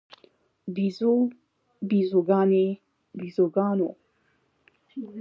بیزو، بیزوګانې، بیزوګانو